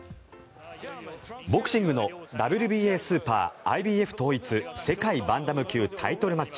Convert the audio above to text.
ボクシングのＷＢＡスーパー・ＩＢＦ統一世界バンタム級タイトルマッチ。